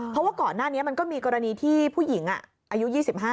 เพราะว่าก่อนหน้านี้มันก็มีกรณีที่ผู้หญิงอายุ๒๕